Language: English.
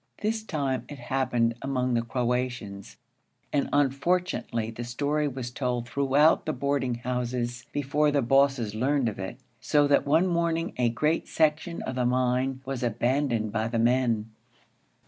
This time it happened among the Croatians, and, unfortunately, the story was told throughout the boarding houses before the bosses learned of it, so that one morning a great section of the mine was abandoned by the men.